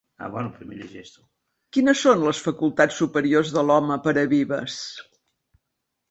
Quines són les facultats superiors de l'home per a Vives?